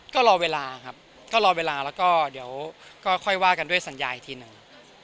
ก็รอเวลาครับก็รอเวลาแล้วก็เดี๋ยวก็ค่อยว่ากันด้วยสัญญาอีกทีหนึ่ง